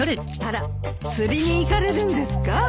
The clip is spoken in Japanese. あら釣りに行かれるんですか？